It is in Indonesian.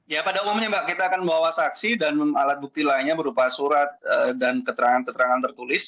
ya pada umumnya mbak kita akan bawa saksi dan alat bukti lainnya berupa surat dan keterangan keterangan tertulis